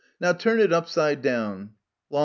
Now turn it upside down. Lam.